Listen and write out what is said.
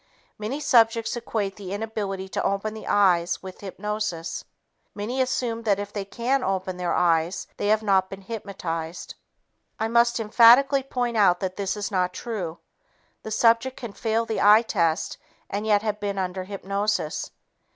Many subjects equate the inability to open the eyes with hypnosis. Many assume that if they can open their eyes, they have not been hypnotized. I must emphatically point out that this is not true. The subject can fail the eye test and yet have been under hypnosis.